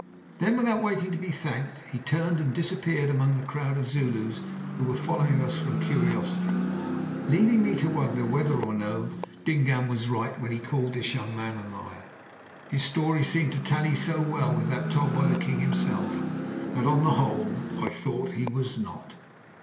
Then, without waiting to be thanked, he turned and disappeared among a crowd of Zulus, who were following us from curiosity, leaving me wondering whether or no Dingaan was right when he called this young man a liar. His story seemed to tally so well with that told by the king himself, that on the whole I thought he was not.